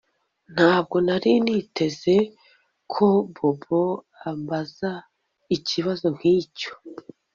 Ntabwo nari niteze ko Bobo ambaza ikibazo nkicyo